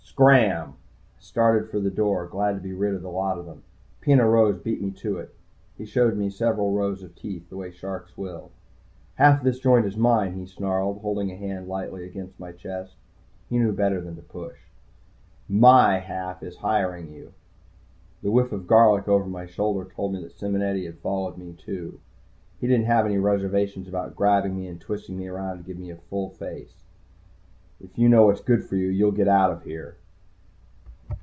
"Scram!" I started for the door, glad to be rid of the lot of them. Peno Rose beat me to it. He showed me several rows of teeth, the way sharks will. "Half of this joint is mine," he snarled, holding a hand lightly against my chest. He knew me better than to push. "My half is hiring you." The whiff of garlic over my shoulder told me that Simonetti had followed me, too. He didn't have any reservations about grabbing me and twisting me around and giving me a real face full. "If you know what's good for you, you'll get out of here."